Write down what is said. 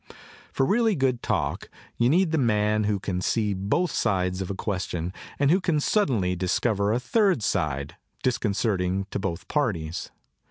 For really good talk you need the man who can see both sides of a question and who can suddenly dis cover a third side, disconcerting to both parties.